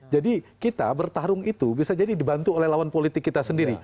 jadi kita bertarung itu bisa jadi dibantu oleh lawan politik kita sendiri